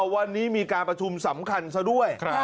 วันนี้มีการประชุมสำคัญซะด้วย